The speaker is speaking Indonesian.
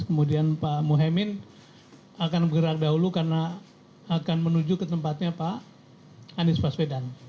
kemudian pak muhaymin akan bergerak dahulu karena akan menuju ke tempatnya pak anies baswedan